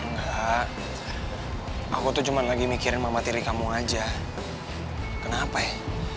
enggak aku tuh cuma lagi mikirin mama tiri kamu aja kenapa ya